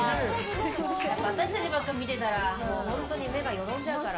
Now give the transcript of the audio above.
私たちばっかり見てたら目がよどんじゃうから。